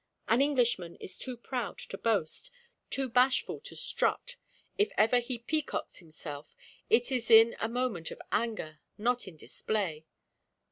An Englishman is too proud to boast too bashful to strut; if ever he peacocks himself, it is in a moment of anger, not in display.